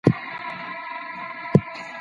هغوی هره ورځ کار ته دوام ورکوي.